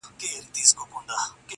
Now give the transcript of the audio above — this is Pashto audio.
زه به وکړم په مخلوق داسي کارونه،